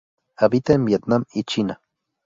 Habita en Vietnam y China.